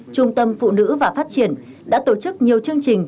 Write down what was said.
trung tâm phụ nữ và phát triển đã tổ chức nhiều chương trình